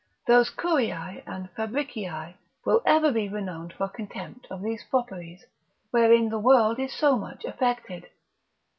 Those Curii and Fabricii will be ever renowned for contempt of these fopperies, wherewith the world is so much affected.